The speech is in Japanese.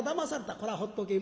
これはほっとけん。